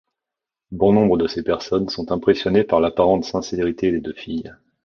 Bon nombre de ces personnes sont impressionnées par l'apparente sincérité des deux filles.